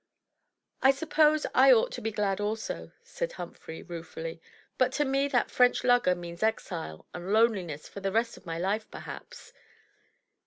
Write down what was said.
"I suppose I ought to be glad also," said Humphrey, rue fully, "but to me that French lugger means exile, and loneliness for the rest of my Ufe, perhaps.